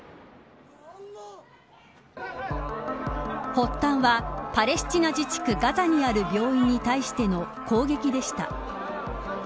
発端は、パレスチナ自治区ガザにある病院に対しての攻撃でした。